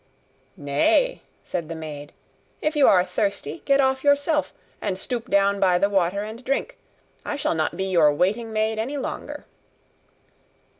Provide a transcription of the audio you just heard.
'Nay,' said the maid, 'if you are thirsty, get off yourself, and stoop down by the water and drink; I shall not be your waiting maid any longer.